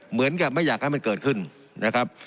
เหมือนกับไม่อยากให้มันเกิดขึ้นนะครับ